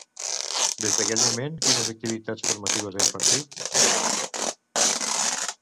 Des d'aquell moment, quines activitats formatives ha impartit?